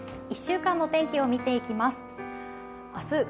１週間の天気を見ていきます。